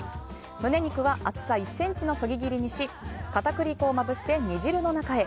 胸肉は厚さ１ｃｍのそぎ切りにし片栗粉をまぶして煮汁の中へ。